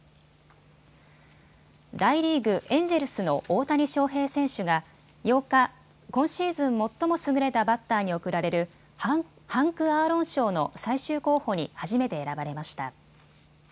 大リーグ、エンジェルスの大谷翔平選手が８日、今シーズン最も優れたバッターに贈られるハンク・アーロン賞の最終候補に初めて選ばれました。